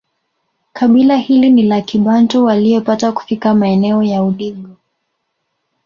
Kabila hili ni la kibantu waliopata kufika maeneo ya Udigo